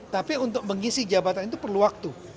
tapi untuk mengisi jabatan itu perlu waktu